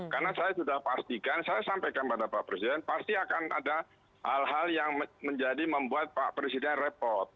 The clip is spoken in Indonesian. karena saya sudah pastikan saya sampaikan kepada pak presiden pasti akan ada hal hal yang menjadi membuat pak presiden repot